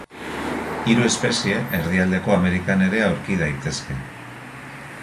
Hiru espezie Erdialdeko Amerikan ere aurki daitezke.